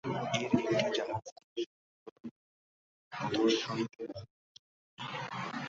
এর একটি জাহাজকে সংস্কার করে প্রদর্শনীতে রাখা হয়েছে।